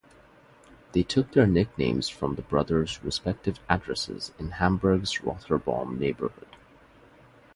They took their nicknames from the brothers' respective addresses in Hamburg's Rotherbaum neighborhood.